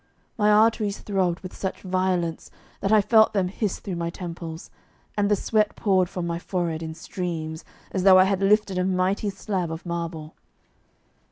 My arteries throbbed with such violence that I felt them hiss through my temples, and the sweat poured from my forehead in streams, as though I had lifted a mighty slab of marble.